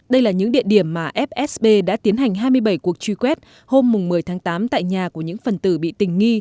đây là những địa điểm mà fsb đã tiến hành hai mươi bảy cuộc truy quét hôm một mươi tháng tám tại nhà của những phần tử bị tình nghi